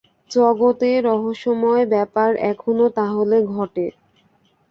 জগতে রহস্যময় ব্যাপার এখনো তাহলে ঘটে!